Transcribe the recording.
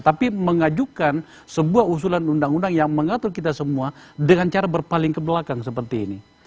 tapi mengajukan sebuah usulan undang undang yang mengatur kita semua dengan cara berpaling ke belakang seperti ini